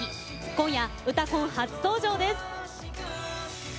今夜「うたコン」初登場です。